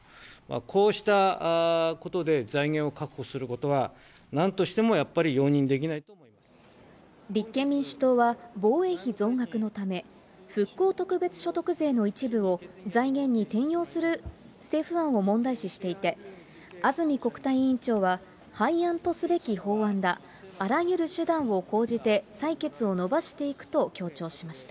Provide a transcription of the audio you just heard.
こうしたことで財源を確保することは、なんとし立憲民主党は防衛費増額のため、復興特別所得税の一部を財源に転用する政府案を問題視していて、安住国対委員長は廃案とすべき法案だ、あらゆる手段を講じて、採決をのばしていくと強調しました。